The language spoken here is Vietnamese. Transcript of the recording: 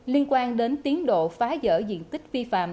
liên quan đến tiến độ phá rỡ diện tích vi phạm